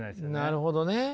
なるほどね。